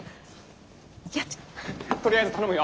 とりあえず頼むよ。